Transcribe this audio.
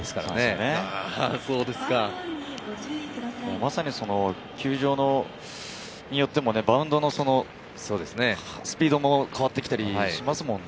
まさに球場によってもバウンドのスピードも変わってきたりしますもんね。